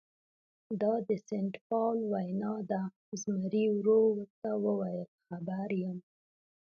دا د سینټ پاول وینا ده، زمري ورو ورته وویل: خبر یم.